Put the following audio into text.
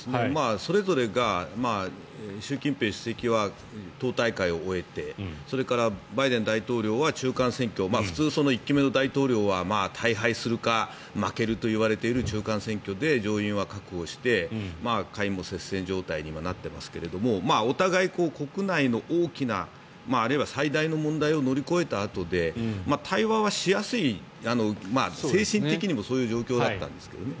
それぞれが習近平主席は党大会を終えてそれからバイデン大統領は中間選挙普通、１期目の大統領は大敗するか負けるといわれている中間選挙で上院は確保して下院も接戦状態に今、なっていますがお互い、国内の大きなあるいは最大の問題を乗り越えたあとで対話はしやすい精神的にもそういう状況だったんですけどね